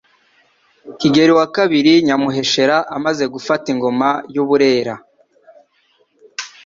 Kigeli II Nyamuheshera amaze gufata Ingoma y'u Burera